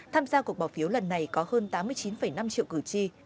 tham gia cuộc bỏ phiếu lần này có hơn tám mươi chín năm triệu cử tri